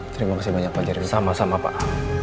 terima kasih banyak pak jerry sama sama pak